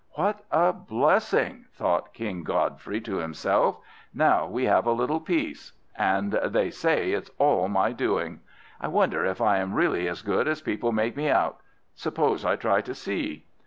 "What a blessing!" thought King Godfrey to himself. "Now we have a little peace. And they say it's all my doing! I wonder if I am really as good as people make me out. Suppose I try to see?"